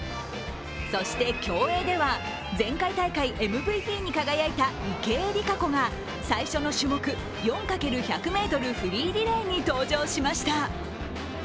そして競泳では前回大会ＭＶＰに輝いた池江璃花子が最初の種目、４×１００ｍフリーリレーに登場しました。